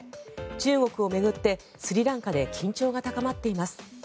中国を巡ってスリランカで緊張が高まっています。